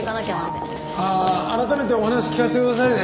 ああ改めてお話聞かせてくださいね。